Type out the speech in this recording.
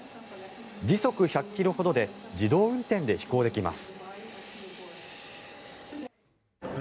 時速１００ｋｍほどで自動運転で飛行できます。